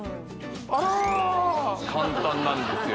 簡単なんですよ